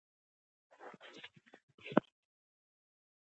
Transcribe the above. انګریزان ښایي چې لا هم په دې نه پوهېږي.